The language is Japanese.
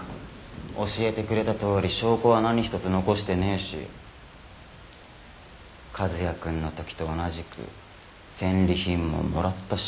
教えてくれたとおり証拠は何一つ残してねえし和哉くんの時と同じく戦利品ももらったし。